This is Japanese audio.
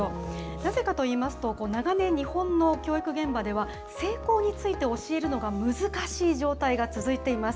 なぜかといいますと、長年、日本の教育現場では、性交について教えるのが難しい状態が続いています。